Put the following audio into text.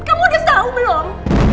kamu udah tau belum